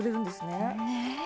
ねえ！